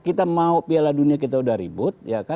kita mau piala dunia kita sudah ribut